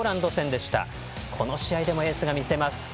この試合でもエースが見せます。